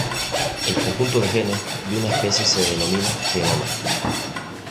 El conjunto de genes de una especie se denomina genoma.